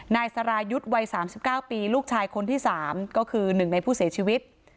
นายสรายุทธ์วัย๓๙ปีลูกชายคนที่๓ก็คือ๑ในผู้เสียชีวิต